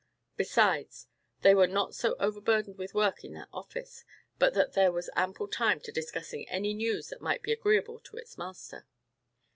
Besides, they were not so overburdened with work in that office, but that there was ample time for discussing any news that might be agreeable to its master.